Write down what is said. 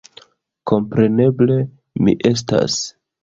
Kompreneble, mi estas....